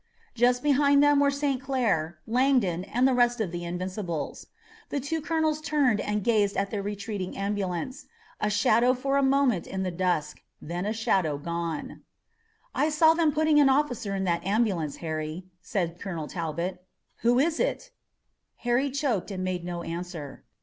Just behind them were St. Clair, Langdon and the rest of the Invincibles. The two colonels turned and gazed at the retreating ambulance, a shadow for a moment in the dusk, and then a shadow gone. "I saw them putting an officer in that ambulance, Harry," said Colonel Talbot. "Who was it?" Harry choked and made no answer.